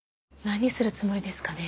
何するつもりですかね？